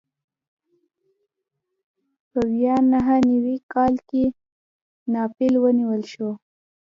په ویا نهه نوي کال کې ناپل ونیول شو.